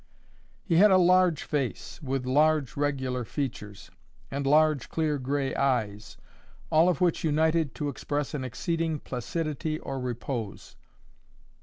He had a large face, with large regular features, and large clear gray eyes, all of which united to express an exceeding placidity or repose.